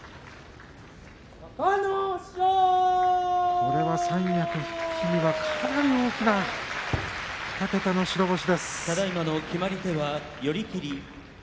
これは三役復帰にはかなり大きな２桁の白星です。